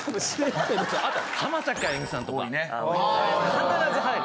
必ず入る。